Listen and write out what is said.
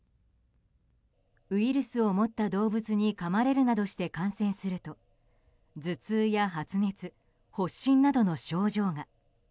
ウイルスを持った動物にかまれるなどして感染すると頭痛や発熱、発疹などの症状が。